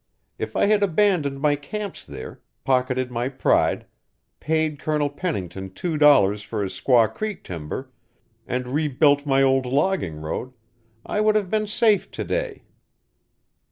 If I had abandoned my camps there, pocketed my pride, paid Colonel Pennington two dollars for his Squaw Creek timber, and rebuilt my old logging road, I would have been safe to day.